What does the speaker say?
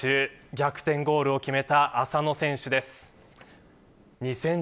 逆転ゴールを決めた浅野選手です。